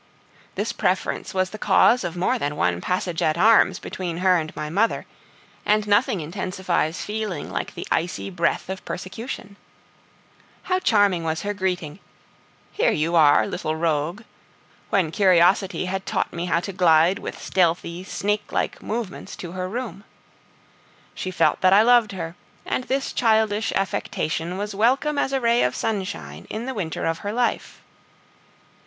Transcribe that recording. This preference was the cause of more than one passage at arms between her and my mother, and nothing intensifies feeling like the icy breath of persecution. How charming was her greeting, "Here you are, little rogue!" when curiosity had taught me how to glide with stealthy snake like movements to her room. She felt that I loved her, and this childish affection was welcome as a ray of sunshine in the winter of her life.